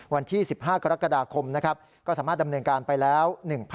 วันที่๑๕กรกฎาคมนะครับก็สามารถดำเนินการไปแล้ว